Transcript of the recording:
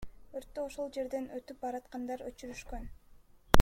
Өрттү ошол жерден өтүп бараткандар өчүрүшкөн.